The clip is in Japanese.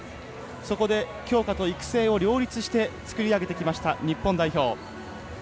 そこで強化と育成を両立してつくり上げてきました日本代表。